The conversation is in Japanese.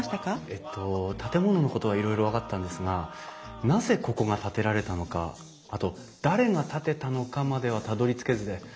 えっと建物のことはいろいろ分かったんですがなぜここが建てられたのかあと誰が建てたのかまではたどりつけずで。